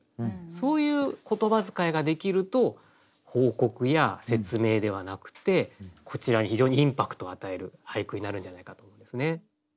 そういう言葉遣いができると報告や説明ではなくてこちらに非常にインパクトを与える俳句になるんじゃないかと思うんですね。